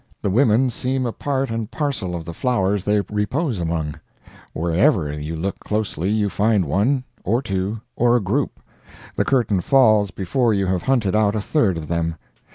The women seem a part and parcel of the flowers they repose among; wherever you look closely you find one, or two, or a group; the curtain falls before you have hunted out a third of them.